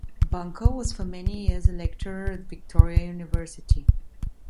Bunkle was for many years a lecturer at Victoria University.